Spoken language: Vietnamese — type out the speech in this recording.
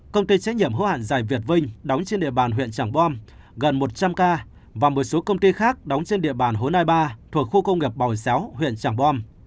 công ty trách nhiệm hữu hạn giải việt vinh đóng trên địa bàn huyện tràng bom gần một trăm linh ca và một số công ty khác đóng trên địa bàn hồ nai ba thuộc khu công nghiệp bảo séo huyện tràng bom